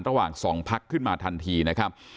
ระหว่าง๒พักขึ้นมาทันทีนะครับ